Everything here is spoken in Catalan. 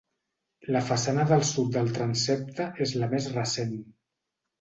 La façana del sud del transsepte és la més recent.